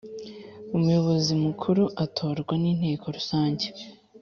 Umuyobozi mukuru atorwa n’ inteko Rusange